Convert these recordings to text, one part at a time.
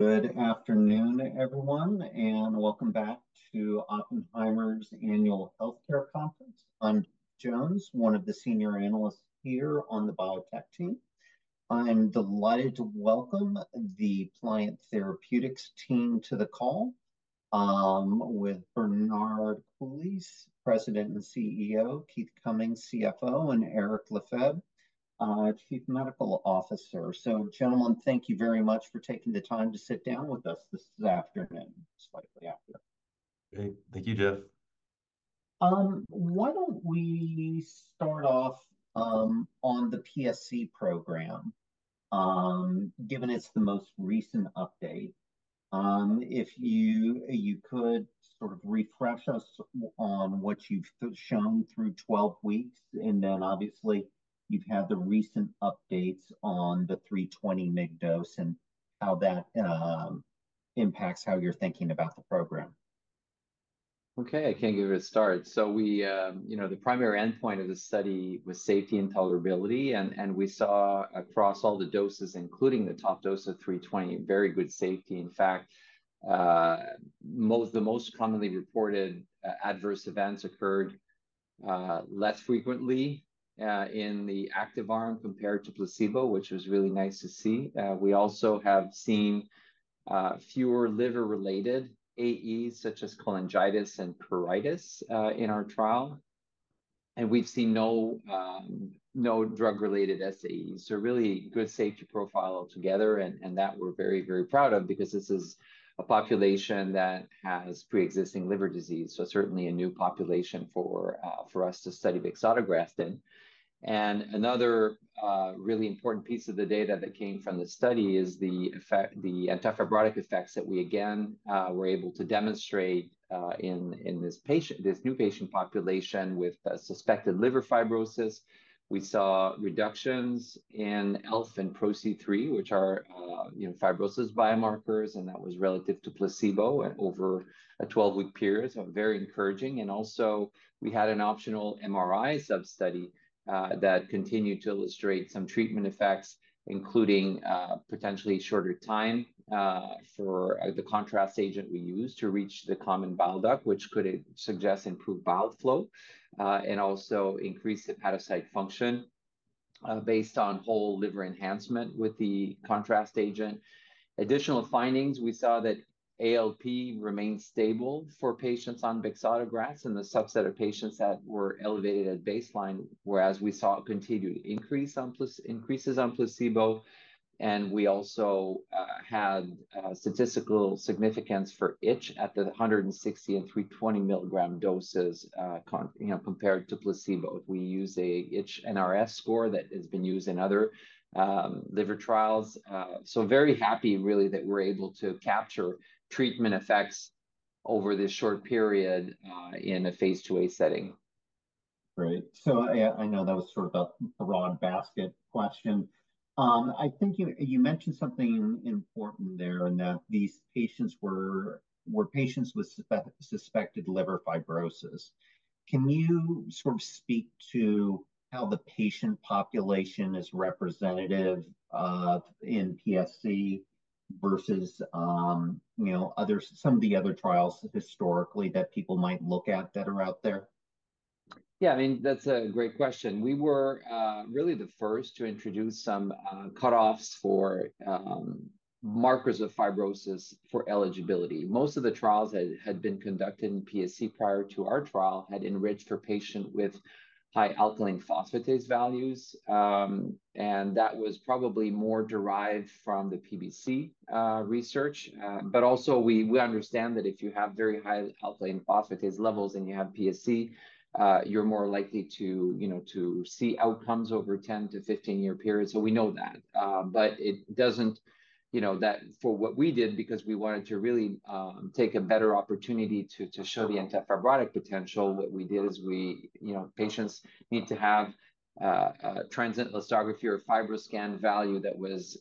Good afternoon, everyone, and welcome back to Oppenheimer's Annual Healthcare Conference. I'm Jones, one of the senior analysts here on the biotech team. I'm delighted to welcome the Pliant Therapeutics team to the call with Bernard Coulie, President and CEO, Keith Cummings, CFO, and Éric Lefebvre, Chief Medical Officer. So gentlemen, thank you very much for taking the time to sit down with us this afternoon, slightly after. Hey, thank you, Jeff. Why don't we start off on the PSC program, given it's the most recent update. If you could sort of refresh us on what you've shown through 12 weeks, and then obviously, you've had the recent updates on the 320 mg dose and how that impacts how you're thinking about the program. Okay, I can give it a start. So we, you know, the primary endpoint of the study was safety and tolerability, and we saw across all the doses, including the top dose of 320, very good safety. In fact, the most commonly reported adverse events occurred less frequently in the active arm compared to placebo, which was really nice to see. We also have seen fewer liver-related AEs, such as cholangitis and pruritus, in our trial, and we've seen no drug-related SAEs. So really good safety profile altogether, and that we're very, very proud of, because this is a population that has pre-existing liver disease, so certainly a new population for us to study bexotegrast in. Another really important piece of the data that came from the study is the antifibrotic effects that we again were able to demonstrate in this new patient population with suspected liver fibrosis. We saw reductions in ELF and PRO-C3, which are, you know, fibrosis biomarkers, and that was relative to placebo over a 12-week period, so very encouraging. Also, we had an optional MRI sub-study that continued to illustrate some treatment effects, including potentially shorter time for the contrast agent we use to reach the common bile duct, which could suggest improved bile flow and also increase hepatocyte function based on whole liver enhancement with the contrast agent. Additional findings, we saw that ALP remained stable for patients on bexotegrast and the subset of patients that were elevated at baseline, whereas we saw a continued increase on placebo, and we also had statistical significance for itch at the 160 and 320 mg doses, you know, compared to placebo. We use a itch NRS score that has been used in other liver trials. So very happy, really, that we're able to capture treatment effects over this short period in a phase IIa setting. Great. So I know that was sort of a broad basket question. I think you mentioned something important there, in that these patients were patients with suspected liver fibrosis. Can you sort of speak to how the patient population is representative of in PSC versus, you know, some of the other trials historically that are out there? Yeah, I mean, that's a great question. We were really the first to introduce some cutoffs for markers of fibrosis for eligibility. Most of the trials that had been conducted in PSC prior to our trial had enriched for patient with high alkaline phosphatase values. And that was probably more derived from the PBC research. But also we understand that if you have very high alkaline phosphatase levels and you have PSC, you're more likely to, you know, to see outcomes over 10-15-year periods, so we know that. But it doesn't, you know, that for what we did, because we wanted to really take a better opportunity to show the antifibrotic potential, what we did is we... You know, patients need to have a transient elastography or FibroScan value that was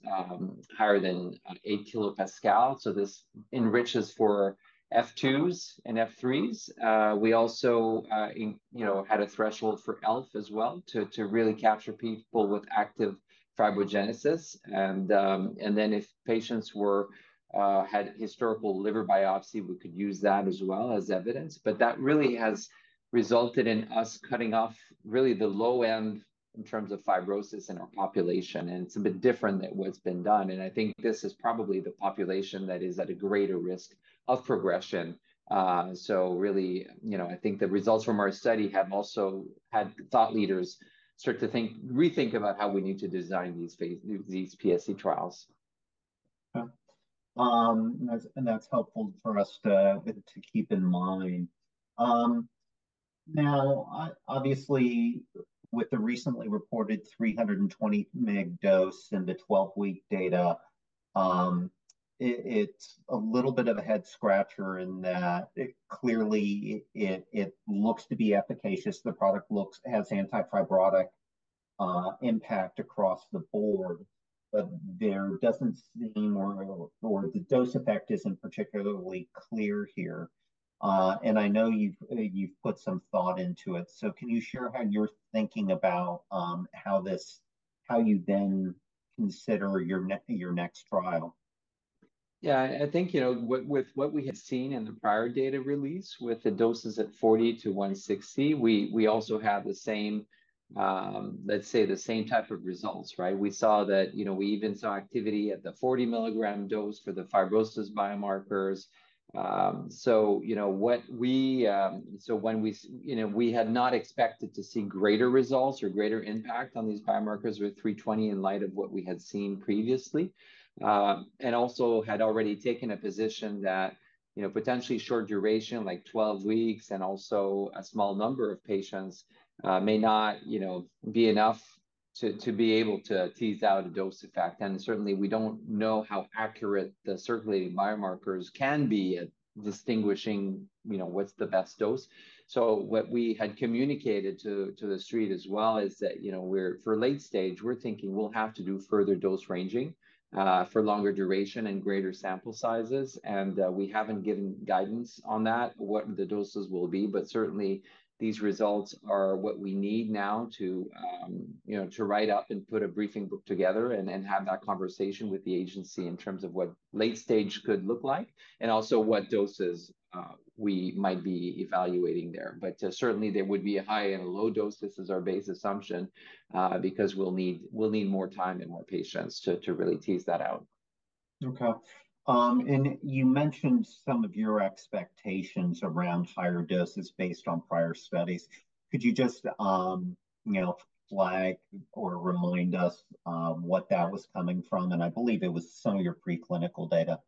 higher than 8 kPa, so this enriches for F2s and F3s. We also, you know, had a threshold for ELF as well, to really capture people with active fibrogenesis. And then if patients had historical liver biopsy, we could use that as well as evidence. But that really has resulted in us cutting off really the low end in terms of fibrosis in our population, and it's a bit different than what's been done, and I think this is probably the population that is at a greater risk of progression. So really, you know, I think the results from our study have also had thought leaders start to rethink about how we need to design these PSC trials. Okay. That's, and that's helpful for us to keep in mind. Now, obviously, with the recently reported 320 mg dose and the 12-week data, it's a little bit of a head scratcher in that it clearly looks to be efficacious. The product has antifibrotic impact across the board, but there doesn't seem or the dose effect isn't particularly clear here. And I know you've put some thought into it, so can you share how you're thinking about how you then consider your next trial? Yeah, I think, you know, with what we had seen in the prior data release, with the doses at 40 mg-160 mg, we also have the same, let's say, the same type of results, right? We saw that, you know, we even saw activity at the 40 mg dose for the fibrosis biomarkers. So you know, we had not expected to see greater results or greater impact on these biomarkers with 320 mg in light of what we had seen previously. And also had already taken a position that, you know, potentially short duration, like 12 weeks, and also a small number of patients may not, you know, be enough to be able to tease out a dose effect. Certainly, we don't know how accurate the circulating biomarkers can be at distinguishing, you know, what's the best dose. So what we had communicated to, to the street as well is that, you know, for late stage, we're thinking we'll have to do further dose ranging for longer duration and greater sample sizes. And we haven't given guidance on that, what the doses will be, but certainly, these results are what we need now to, you know, to write up and put a briefing book together, and have that conversation with the agency in terms of what late stage could look like, and also what doses we might be evaluating there. But certainly there would be a high and a low dose. This is our base assumption, because we'll need more time and more patients to really tease that out. Okay. And you mentioned some of your expectations around higher doses based on prior studies. Could you just, you know, flag or remind us, what that was coming from? And I believe it was some of your preclinical data.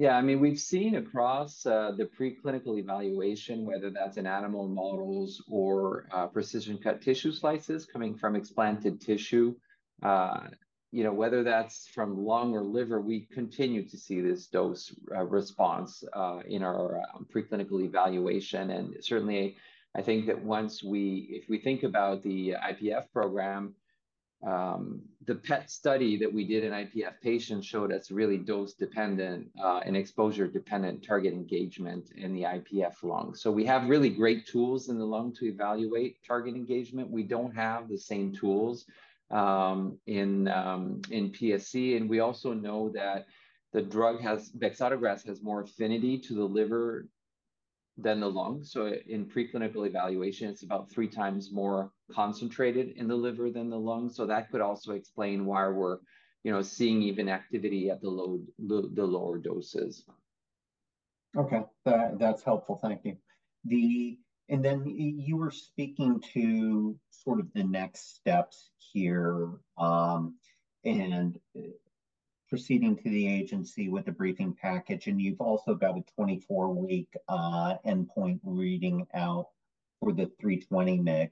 Yeah, I mean, we've seen across the preclinical evaluation, whether that's in animal models or precision-cut tissue slices coming from explanted tissue, you know, whether that's from lung or liver, we continue to see this dose response in our preclinical evaluation. And certainly, I think that if we think about the IPF program, the PET study that we did in IPF patients showed it's really dose-dependent and exposure-dependent target engagement in the IPF lung. So we have really great tools in the lung to evaluate target engagement. We don't have the same tools in PSC, and we also know that the drug has... bexotegrast has more affinity to the liver than the lung. In preclinical evaluation, it's about 3x more concentrated in the liver than the lung, so that could also explain why we're, you know, seeing even activity at the lower doses. Okay. That, that's helpful. Thank you. And then you were speaking to sort of the next steps here, and proceeding to the agency with the briefing package, and you've also got a 24-week endpoint reading out for the 320 mg.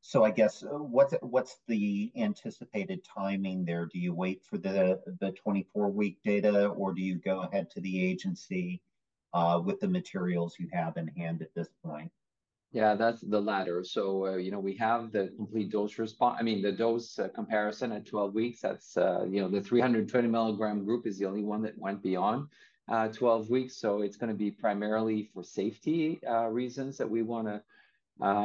So I guess, what's, what's the anticipated timing there? Do you wait for the, the 24-week data, or do you go ahead to the agency, with the materials you have in hand at this point? Yeah, that's the latter. So, you know, we have the complete dose - I mean, the dose comparison at 12 weeks. That's, you know, the 320 mg group is the only one that went beyond 12 weeks, so it's gonna be primarily for safety reasons that we wanna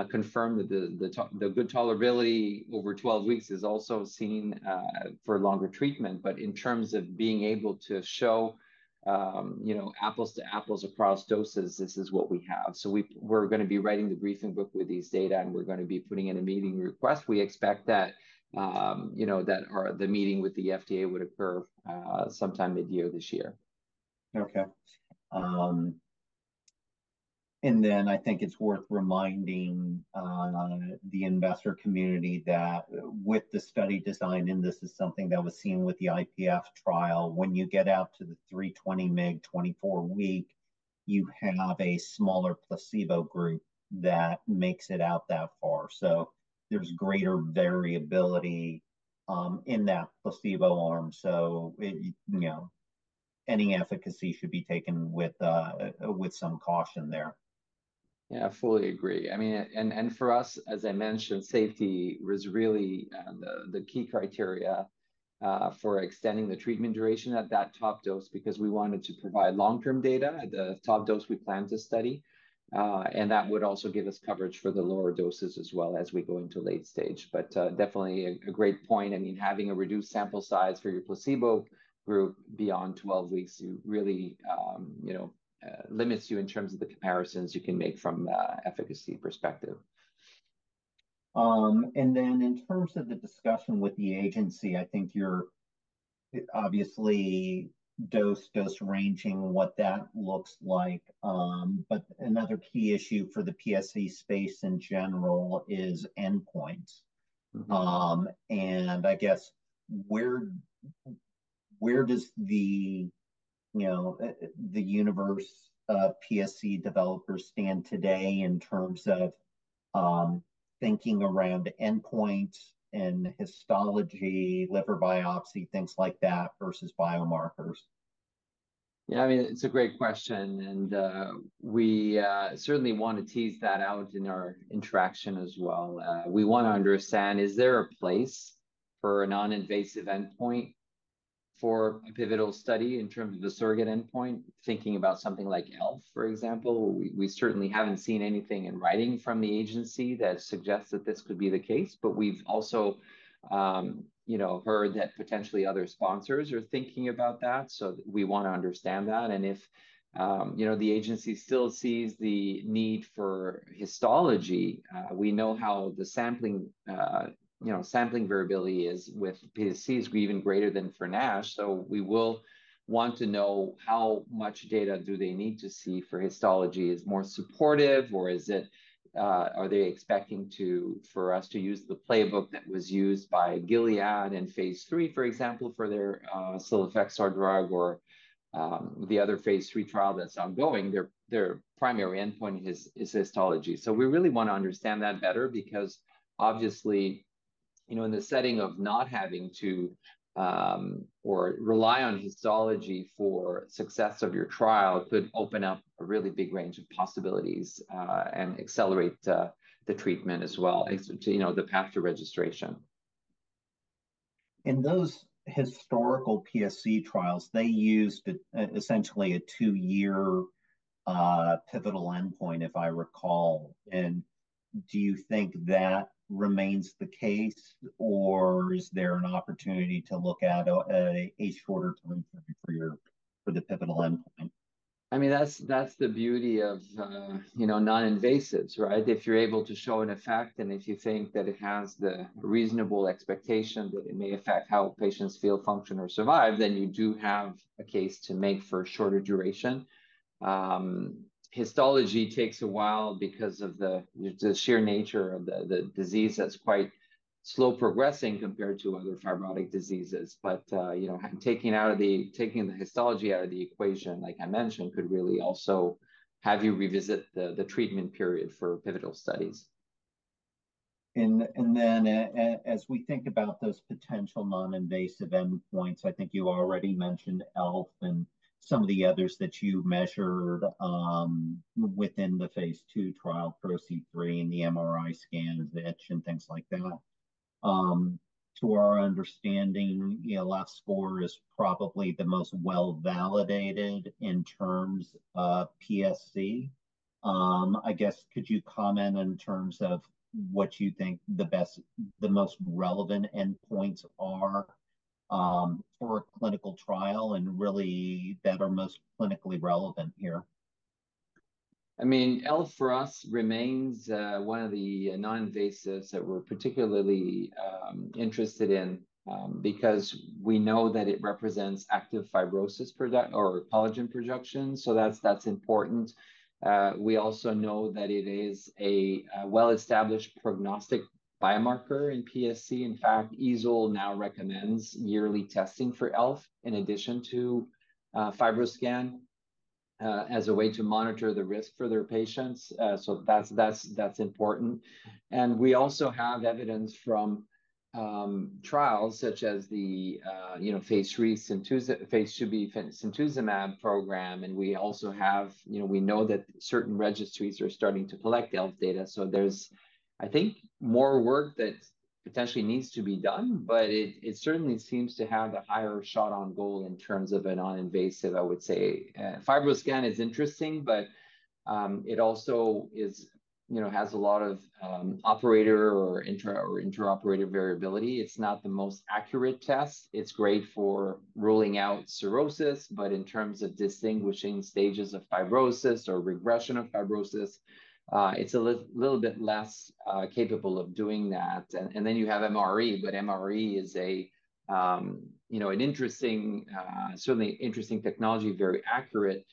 confirm that the good tolerability over 12 weeks is also seen for longer treatment. But in terms of being able to show, you know, apples to apples across doses, this is what we have. So we're gonna be writing the briefing book with these data, and we're gonna be putting in a meeting request. We expect that, you know, the meeting with the FDA would occur sometime mid-year this year. Okay. And then I think it's worth reminding the investor community that with the study design, and this is something that was seen with the IPF trial, when you get out to the 320 mg, 24-week, you have a smaller placebo group that makes it out that far. So there's greater variability in that placebo arm, so it, you know, any efficacy should be taken with some caution there. Yeah, I fully agree. I mean, for us, as I mentioned, safety was really the key criteria for extending the treatment duration at that top dose because we wanted to provide long-term data at the top dose we plan to study. And that would also give us coverage for the lower doses as well as we go into late stage. But, definitely a great point. I mean, having a reduced sample size for your placebo group beyond 12 weeks, you really, you know, limits you in terms of the comparisons you can make from an efficacy perspective. And then in terms of the discussion with the agency, I think you're obviously dose ranging, what that looks like, but another key issue for the PSC space in general is endpoints. I guess, where does the universe of PSC developers stand today in terms of thinking around endpoints and histology, liver biopsy, things like that, versus biomarkers? Yeah, I mean, it's a great question, and, we certainly want to tease that out in our interaction as well. We want to understand, is there a place for a non-invasive endpoint for a pivotal study in terms of the surrogate endpoint? Thinking about something like ELF, for example. We certainly haven't seen anything in writing from the agency that suggests that this could be the case, but we've also, you know, heard that potentially other sponsors are thinking about that, so we want to understand that. And if, you know, the agency still sees the need for histology, we know how the sampling, you know, sampling variability is with PSC is even greater than for NASH. So we will want to know how much data do they need to see for histology is more supportive or is it, are they expecting to, for us to use the playbook that was used by Gilead in phase III, for example, for their, cilofexor drug or, the other phase III trial that's ongoing. Their primary endpoint is histology. So we really want to understand that better because obviously, you know, in the setting of not having to, or rely on histology for success of your trial, could open up a really big range of possibilities, and accelerate, the treatment as well as to, you know, the path to registration. In those historical PSC trials, they used essentially a two-year pivotal endpoint, if I recall. And do you think that remains the case, or is there an opportunity to look at a half quarter time frame for your, for the pivotal endpoint? I mean, that's, that's the beauty of, you know, non-invasives, right? If you're able to show an effect, and if you think that it has the reasonable expectation that it may affect how patients feel, function, or survive, then you do have a case to make for a shorter duration. Histology takes a while because of the, the sheer nature of the, the disease that's quite slow progressing compared to other fibrotic diseases. But, you know, taking out of the-- taking the histology out of the equation, like I mentioned, could really also have you revisit the, the treatment period for pivotal studies. As we think about those potential non-invasive endpoints, I think you already mentioned ELF and some of the others that you measured within the phase II trial, PRO-C3, and the MRI scan, the Itch NRS, and things like that. To our understanding, ELF score is probably the most well-validated in terms of PSC. I guess could you comment in terms of what you think the most relevant endpoints are for a clinical trial and really that are most clinically relevant here? I mean, ELF for us remains, one of the non-invasives that we're particularly, interested in, because we know that it represents active fibrosis product or collagen production, so that's important. We also know that it is a well-established prognostic biomarker in PSC. In fact, EASL now recommends yearly testing for ELF in addition to, FibroScan, as a way to monitor the risk for their patients. So that's important. And we also have evidence from, trials such as the, you know, phase III simtuzumab, phase IIb simtuzumab program. And we also have... you know, we know that certain registries are starting to collect ELF data. So there's, I think, more work that potentially needs to be done, but it certainly seems to have a higher shot on goal in terms of a non-invasive, I would say. FibroScan is interesting, but it also is, you know, has a lot of operator or inter-operator or intra-operator variability. It's not the most accurate test. It's great for ruling out cirrhosis, but in terms of distinguishing stages of fibrosis or regression of fibrosis, it's a little bit less capable of doing that. And then you have MRE, but MRE is a, you know, an interesting, certainly interesting technology, very accurate,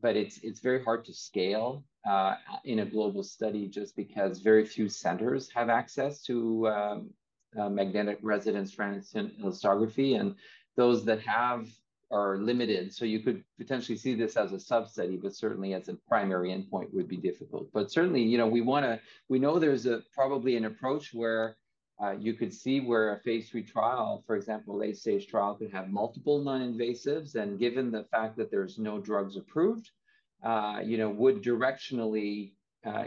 but it's very hard to scale in a global study just because very few centers have access to magnetic resonance elastography, and those that have are limited. So you could potentially see this as a subset, but certainly as a primary endpoint would be difficult. But certainly, you know, we wanna, we know there's probably an approach where you could see where a phase III trial, for example, a late-stage trial, could have multiple non-invasives. And given the fact that there's no drugs approved, you know, would directionally,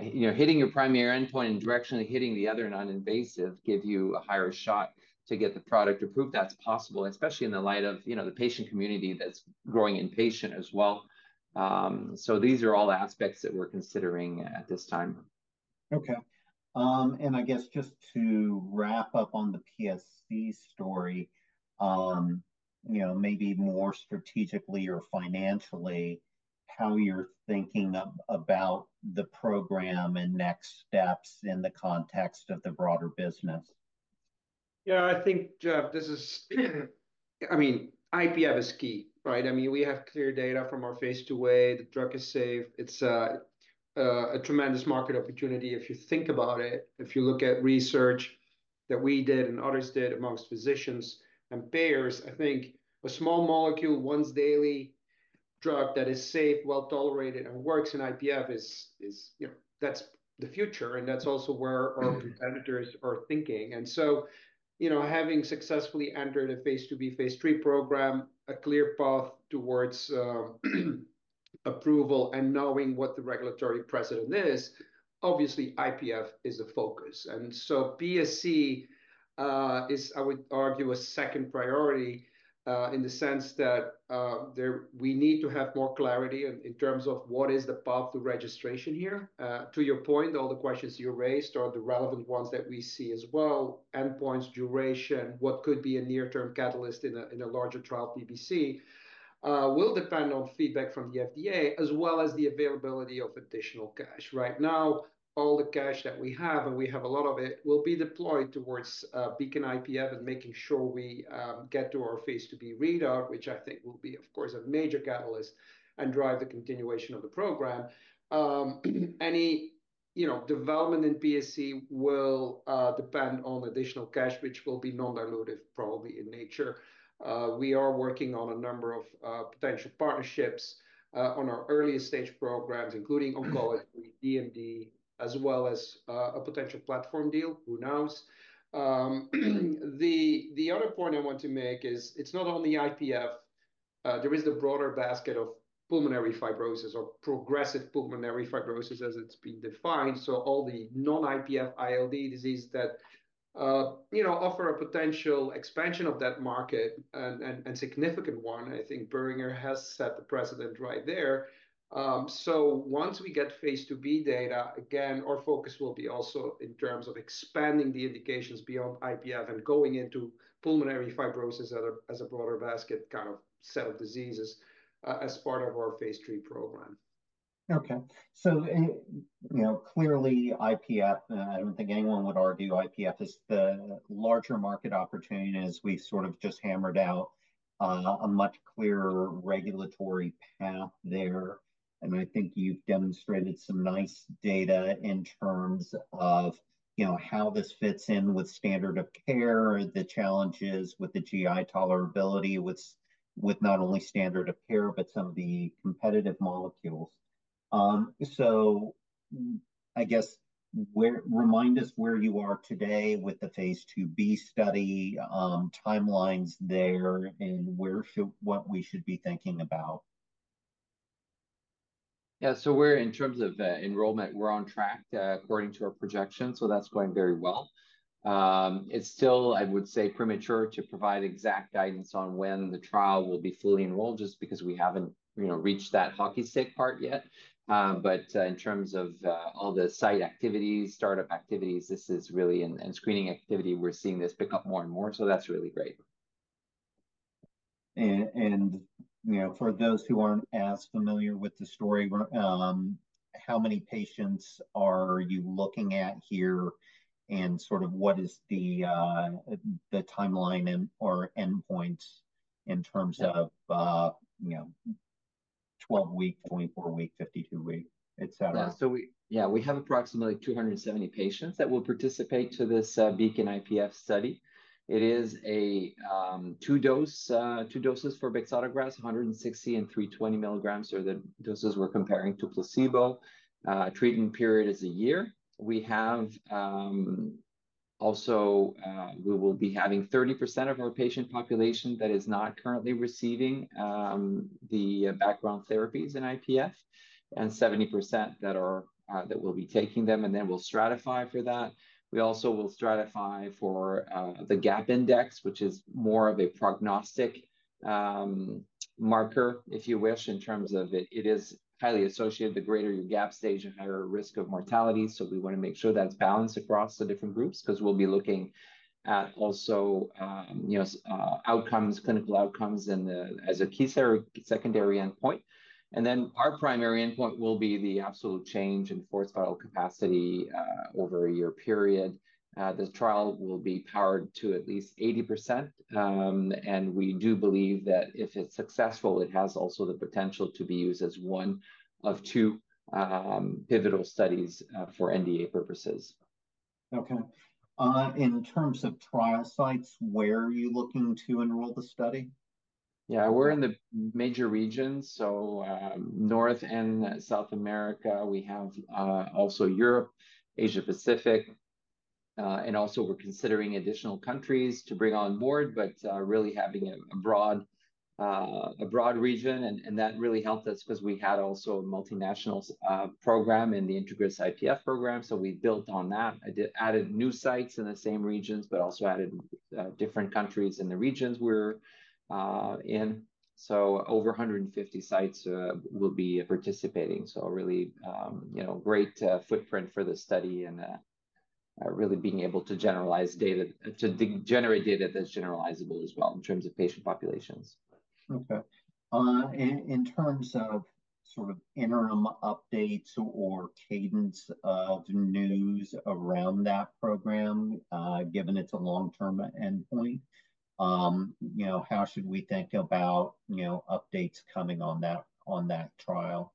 you know, hitting your primary endpoint and directionally hitting the other non-invasive give you a higher shot to get the product approved. That's possible, especially in the light of, you know, the patient community that's growing impatient as well. So these are all aspects that we're considering at this time. Okay. I guess just to wrap up on the PSC story, you know, maybe more strategically or financially, how you're thinking about the program and next steps in the context of the broader business? Yeah, I think, Jeff, this is—I mean, IPF is key, right? I mean, we have clear data from our phase IIa. The drug is safe. It's a tremendous market opportunity if you think about it. If you look at research that we did and others did amongst physicians and payers, I think a small molecule, once daily drug that is safe, well-tolerated, and works in IPF is, you know, that's the future, and that's also where our competitors are thinking. And so, you know, having successfully entered a phase IIb, phase III program, a clear path towards approval and knowing what the regulatory precedent is, obviously IPF is a focus. So PSC is, I would argue, a second priority, in the sense that we need to have more clarity in terms of what is the path to registration here. To your point, all the questions you raised are the relevant ones that we see as well: endpoints, duration, what could be a near-term catalyst in a larger trial. PBC will depend on feedback from the FDA, as well as the availability of additional cash. Right now, all the cash that we have, and we have a lot of it, will be deployed towards BEACON-IPF and making sure we get to our phase IIb readout, which I think will be, of course, a major catalyst and drive the continuation of the program. Any, you know, development in PSC will depend on additional cash, which will be non-dilutive probably in nature. We are working on a number of potential partnerships on our earliest stage programs, including oncology, DMD, as well as a potential platform deal. Who knows? The other point I want to make is it's not only IPF. There is the broader basket of pulmonary fibrosis or progressive pulmonary fibrosis as it's been defined, so all the non-IPF ILD disease that, you know, offer a potential expansion of that market, and significant one. I think Boehringer has set the precedent right there. Once we get phase IIb data, again, our focus will be also in terms of expanding the indications beyond IPF and going into pulmonary fibrosis as a broader basket kind of set of diseases, as part of our phase III program. Okay. So, you know, clearly, IPF, I don't think anyone would argue IPF is the larger market opportunity, as we've sort of just hammered out, a much clearer regulatory path there. And I think you've demonstrated some nice data in terms of, you know, how this fits in with standard of care, the challenges with the GI tolerability, with, with not only standard of care, but some of the competitive molecules. So, I guess, remind us where you are today with the Phase IIb study, timelines there, and what we should be thinking about. Yeah, so we're, in terms of, enrollment, we're on track, according to our projections, so that's going very well. It's still, I would say, premature to provide exact guidance on when the trial will be fully enrolled, just because we haven't, you know, reached that hockey stick part yet. But, in terms of, all the site activities, start-up activities, this is really... and, and screening activity, we're seeing this pick up more and more, so that's really great. You know, for those who aren't as familiar with the story, how many patients are you looking at here, and sort of what is the, the timeline and, or endpoint in terms of, you know, 12-week, 24-week, 52-week, et cetera? Yeah, so we, yeah, we have approximately 270 patients that will participate to this BEACON-IPF study. It is a two-dose, two doses for bexotegrast, 160 and 320 mgs are the doses we're comparing to placebo. Treatment period is a year. We have also, we will be having 30% of our patient population that is not currently receiving the background therapies in IPF, and 70% that are that will be taking them, and then we'll stratify for that. We also will stratify for the GAP index, which is more of a prognostic marker, if you wish, in terms of it, it is highly associated. The greater your GAP stage, the higher risk of mortality, so we want to make sure that's balanced across the different groups, 'cause we'll be looking at also, you know, outcomes, clinical outcomes as a key secondary endpoint. Then, our primary endpoint will be the absolute change in forced vital capacity over a year period. The trial will be powered to at least 80%, and we do believe that if it's successful, it has also the potential to be used as one of two pivotal studies for NDA purposes. Okay. In terms of trial sites, where are you looking to enroll the study? Yeah, we're in the major regions, so, North and South America. We have, also Europe, Asia Pacific, and also we're considering additional countries to bring on board, but, really having a, a broad, a broad region, and, and that really helped us, 'cause we had also a multinational program in the INTEGRIS-IPF program, so we built on that. I did added new sites in the same regions, but also added, different countries in the regions we're, in. So over 150 sites, will be participating, so a really, you know, great, footprint for the study, and, really being able to generalize data to generate data that's generalizable as well in terms of patient populations. Okay. In terms of sort of interim updates or cadence of news around that program, given it's a long-term endpoint, you know, how should we think about, you know, updates coming on that trial?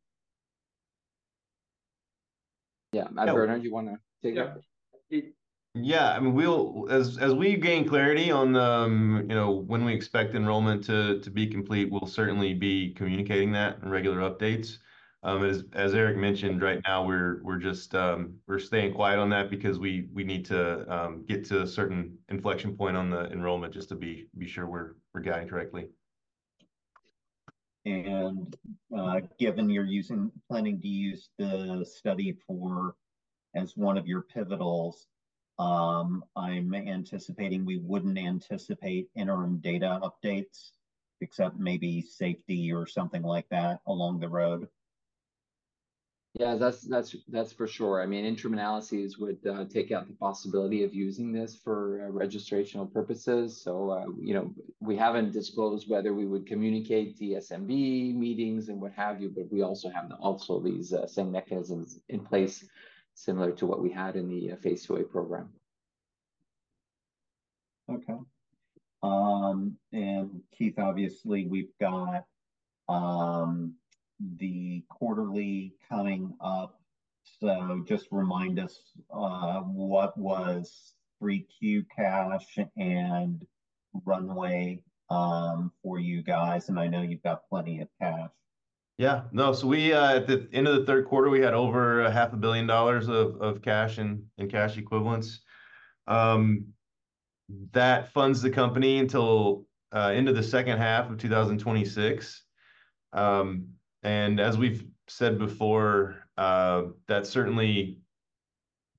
Yeah. Bernard, do you wanna take it? Yeah. Yeah, I mean, we'll, as we gain clarity on, you know, when we expect enrollment to be complete, we'll certainly be communicating that in regular updates. As Eric mentioned, right now we're just staying quiet on that because we need to get to a certain inflection point on the enrollment just to be sure we're guiding correctly. Given you're planning to use the study for, as one of your pivotals, I'm anticipating we wouldn't anticipate interim data updates, except maybe safety or something like that along the road? Yeah, that's, that's, that's for sure. I mean, interim analyses would take out the possibility of using this for registrational purposes. So, you know, we haven't disclosed whether we would communicate DSMB meetings and what have you, but we also have also these same mechanisms in place, similar to what we had in the phase IIa program. Okay. And Keith, obviously we've got the quarterly coming up, so just remind us what was 3Q cash and runway for you guys, and I know you've got plenty of cash. Yeah. No, so we at the end of the third quarter, we had over $500 million of cash and cash equivalents. That funds the company until into the second half of 2026. And as we've said before, that certainly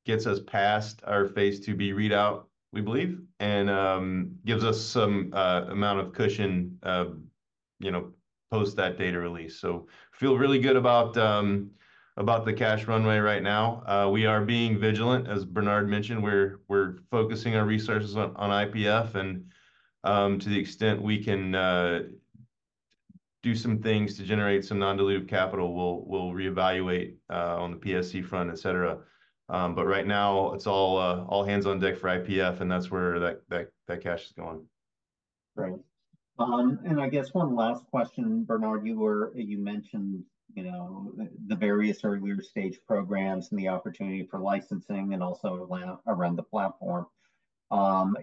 gets us past our phase IIb readout, we believe, and gives us some amount of cushion, you know, post that data release. So feel really good about the cash runway right now. We are being vigilant, as Bernard mentioned, we're focusing our resources on IPF, and to the extent we can do some things to generate some non-dilutive capital, we'll reevaluate on the PSC front, etc. But right now, it's all hands on deck for IPF, and that's where that cash is going. Great. And I guess one last question, Bernard. You mentioned, you know, the various earlier stage programs and the opportunity for licensing and also around the platform.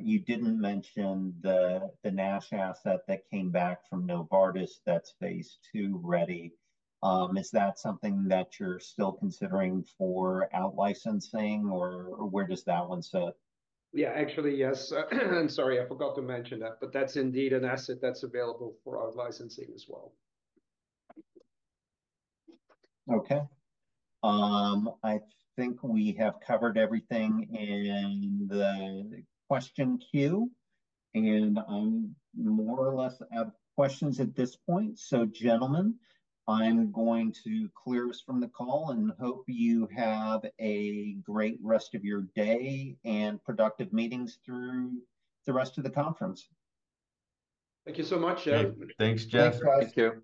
You didn't mention the NASH asset that came back from Novartis that's phase II ready. Is that something that you're still considering for out-licensing, or where does that one sit? Yeah, actually, yes. Sorry, I forgot to mention that, but that's indeed an asset that's available for out-licensing as well. Okay. I think we have covered everything in the question queue, and I'm more or less out of questions at this point. Gentlemen, I'm going to clear us from the call, and hope you have a great rest of your day and productive meetings through the rest of the conference. Thank you so much, Jeff. Thanks, Jeff. Thank you.